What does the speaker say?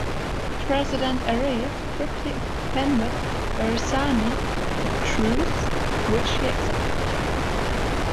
President Arif quickly offered Barzani a truce, which he accepted.